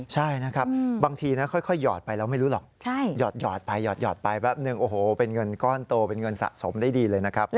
ใช่บางทีค่อยหยอดไปแล้วไม่รู้หรอกหยอดไปแบบนึงเป็นเงินก้อนโตเป็นเงินสะสมได้ดีเลยนะครับ